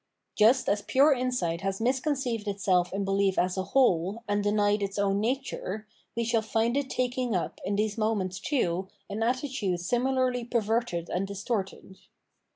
* Just as pure insight has misconceived itself in belief as a whole and denied its own nature, we shall find it taking up in these moments, too, an attitude similarly perverted and distorted.